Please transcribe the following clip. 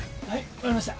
分かりました。